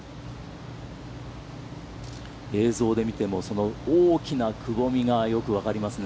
映像も見ても、大きなくぼみがよく分かりますね。